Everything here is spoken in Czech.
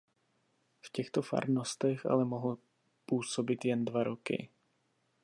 V těchto farnostech ale mohl působit jen dva roky.